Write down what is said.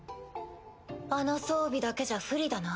あの装備だけじゃ不利だな。